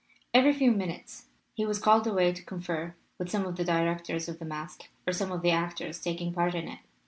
Every few minutes he was called away to confer with some of the directors of the masque, or some of the actors taking part in it.